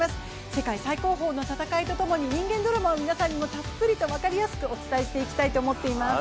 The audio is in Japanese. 世界最高峰の戦いとともに、人間ドラマを皆さんにもたっぷりと分かりやすくお伝えしていきたいと思っております。